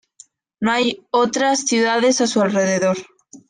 No hay otras ciudades a su alrededor.